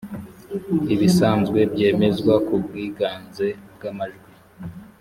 ibisanzwe byemezwa ku bwiganze bw’amajwi